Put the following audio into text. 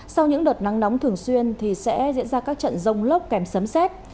sau những đợt nắng nóng thường xuyên thì sẽ diễn ra các trận rông lốc kèm sấm xét